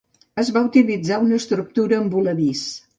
Es va utilitzar una estructura en voladís.